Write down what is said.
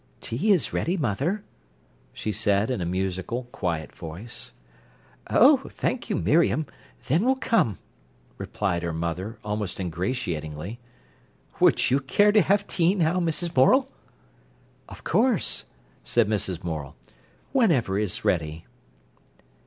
"Tea is ready, mother," she said in a musical, quiet voice. "Oh, thank you, Miriam, then we'll come," replied her mother, almost ingratiatingly. "Would you care to have tea now, Mrs. Morel?" "Of course," said Mrs. Morel. "Whenever it's ready."